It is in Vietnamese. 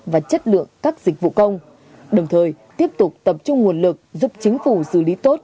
và chất lượng các dịch vụ công đồng thời tiếp tục tập trung nguồn lực giúp chính phủ xử lý tốt